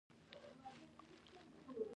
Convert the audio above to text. هغوی یې هېر کړي وو.